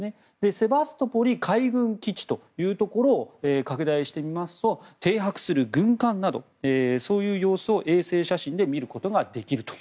セバストポリ海軍基地を拡大してみますと停泊する軍艦などそういう様子を衛星写真で見ることができると。